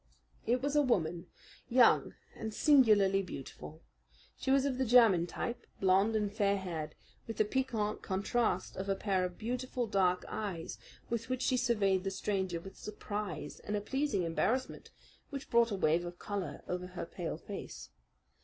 It was a woman, young and singularly beautiful. She was of the German type, blonde and fair haired, with the piquant contrast of a pair of beautiful dark eyes with which she surveyed the stranger with surprise and a pleasing embarrassment which brought a wave of colour over her pale face.